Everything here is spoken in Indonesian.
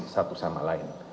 satu sama lain